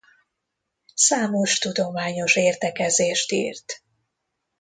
Számos tudományos értekezést írt.